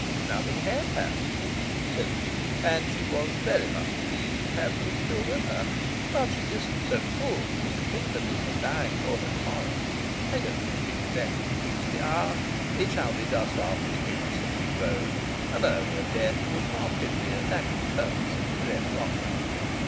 "Nothing HAD happened," said the Duke. "And she was very much pleased to have me still with her. But she isn't so cruel as to hinder me from dying for her to morrow. I don't think she exactly fixed the hour. It shall be just after the Eights have been rowed. An earlier death would mark in me a lack of courtesy to that contest...